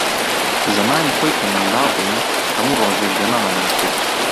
زەمانی خۆی کە منداڵ بووین، هەموو ڕۆژێ گەمەمان دەکرد.